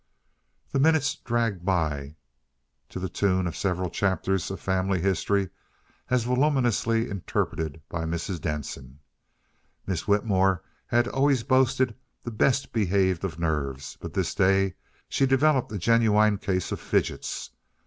The minutes dragged by, to the tune of several chapters of family history as voluminously interpreted by Mrs. Denson. Miss Whitmore had always boasted the best behaved of nerves, but this day she developed a genuine case of "fidgets."